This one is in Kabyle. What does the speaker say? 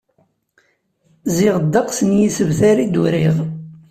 Ziɣ ddeqs n yisebtar i d-uriɣ.